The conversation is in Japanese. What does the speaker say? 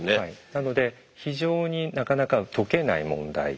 なので非常になかなか解けない問題。